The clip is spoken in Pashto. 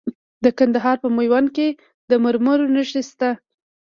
د کندهار په میوند کې د مرمرو نښې شته.